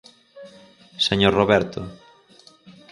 "Señor Roberto"."